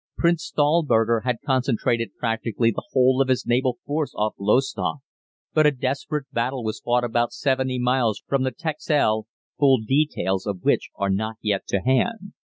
Prince Stahlberger had concentrated practically the whole of his naval force off Lowestoft, but a desperate battle was fought about seventy miles from the Texel, full details of which are not yet to hand.